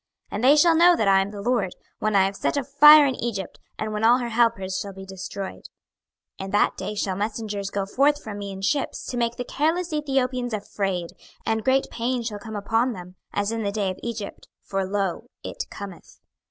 26:030:008 And they shall know that I am the LORD, when I have set a fire in Egypt, and when all her helpers shall be destroyed. 26:030:009 In that day shall messengers go forth from me in ships to make the careless Ethiopians afraid, and great pain shall come upon them, as in the day of Egypt: for, lo, it cometh.